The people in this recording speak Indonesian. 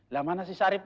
lah mana sih sarip